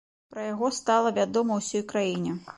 Пра яго стала вядома ўсёй краіне.